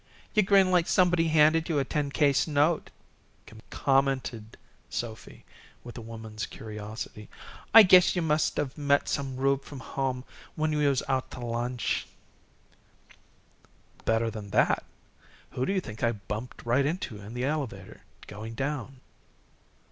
"You grin like somebody handed you a ten case note," commented Sophy, with a woman's curiosity. "I guess you must of met some rube from home when you was out t' lunch." "Better than that! Who do you think I bumped right into in the elevator going down?"